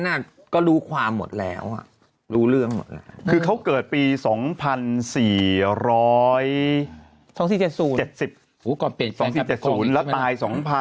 น่ะก็รู้ความหมดแล้วอ่ะรู้เรื่องหมดแล้วคือเขาเกิดปี๒๔๒๔๗๐๗๐๒๐๗๐แล้วตาย๒๐๐๐